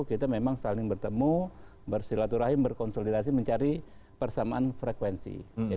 kita memang saling bertemu bersilaturahim berkonsolidasi mencari persamaan frekuensi